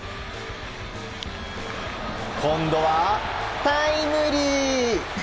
今度はタイムリー！